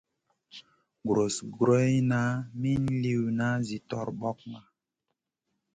Guros guroyna min liwna zi torbokna.